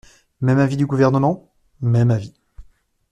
Même avis du Gouvernement ? Même avis.